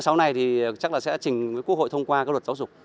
tháng sáu này thì chắc là sẽ trình với quốc hội thông qua các luật giáo dục